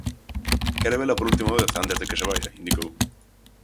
Quere vela por última vez antes de que se vaia, indicou.